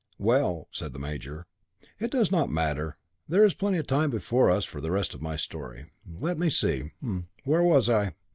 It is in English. "Well," said the major, "it does not matter; there is plenty of time before us for the rest of my story. Let me see where was I?